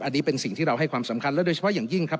อันนี้เป็นสิ่งที่เราให้ความสำคัญและโดยเฉพาะอย่างยิ่งครับ